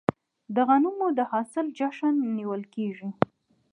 د غنمو د حاصل جشن نیول کیږي.